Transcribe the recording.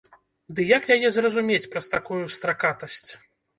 Ды як яе зразумець праз такую стракатасць?